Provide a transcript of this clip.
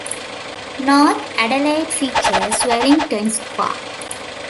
North Adelaide features Wellington Square.